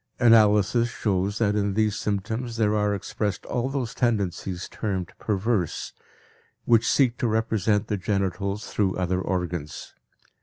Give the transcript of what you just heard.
Analysis shows that in these symptoms there are expressed all those tendencies termed perverse, which seek to represent the genitals through other organs.